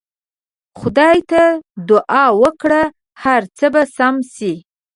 خدای ته دعا وکړه هر څه به سم سي.